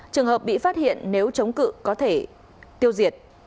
trường hợp bị phát hiện nếu chống cự có thể tiêu diệt